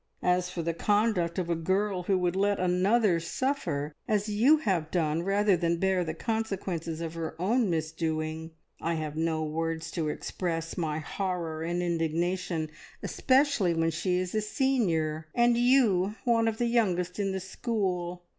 As for the conduct of a girl who would let another suffer as you have done rather than bear the consequences of her own misdoing, I have no words to express my horror and indignation, especially when she is a senior and you one of the youngest in the school.